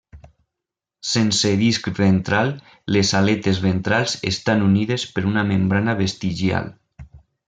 Sense disc ventral; les aletes ventrals estan unides per una membrana vestigial.